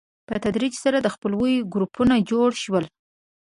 په تدریج سره د خپلوۍ ګروپونه جوړ شول.